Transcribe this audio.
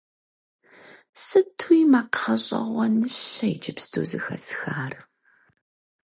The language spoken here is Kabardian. Сытуи макъ гъэщӀэгъуэныщэ иджыпсту зэхэсхар!